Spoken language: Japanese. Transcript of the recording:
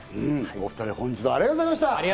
お２人、本日はありがとうございました。